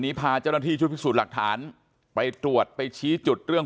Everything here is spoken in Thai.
พาเจ้าหน้าที่ชุดพิสูจน์หลักฐานไปตรวจไปชี้จุดเรื่อง